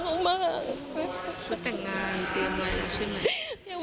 เขามาแต่งงานเตรียมไว้แล้วใช่ไหม